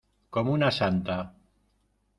como una santa.